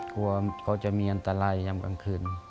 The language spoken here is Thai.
กลัวเขาจะมีอันตรายยำกลางคืน